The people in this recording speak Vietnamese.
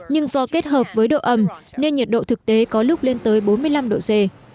nhưng do kết hợp với độ ẩm nên nhiệt độ thực tế có lúc lên tới bốn mươi năm độ c